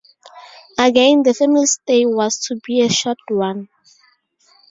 Again, the family's stay was to be a short one.